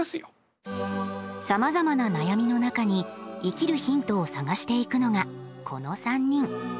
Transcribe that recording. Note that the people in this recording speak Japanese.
さまざまな悩みの中に生きるヒントを探していくのがこの３人。